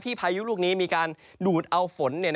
พายุลูกนี้มีการดูดเอาฝน